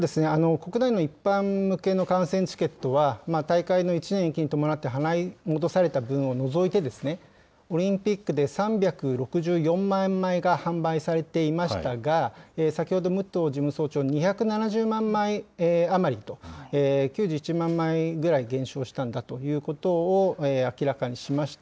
国内の一般向けの観戦チケットは、大会の１年延期に伴って払い戻された分を除いて、オリンピックで３６４万枚が販売されていましたが、先ほど武藤事務総長、２７０万枚余りと、９１万枚ぐらい減少したんだということを明らかにしました。